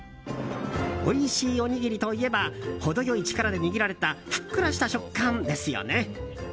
おいしいおにぎりといえば程良い力で握られたふっくらした食感ですよね？